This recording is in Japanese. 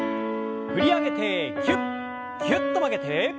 振り上げてぎゅっぎゅっと曲げて。